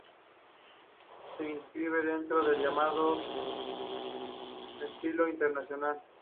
Se inscribe dentro del llamado estilo internacional.